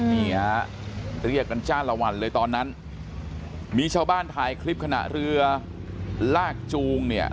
นี่ฮะเรียกกันจ้าละวันเลยตอนนั้นมีชาวบ้านถ่ายคลิปขณะเรือลากจูงเนี่ย